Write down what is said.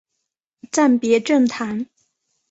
暂别政坛。